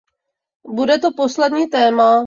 Bude to poslední téma.